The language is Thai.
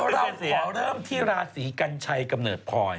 เราขอเริ่มที่ราศีกัญชัยกำเนิดพลอย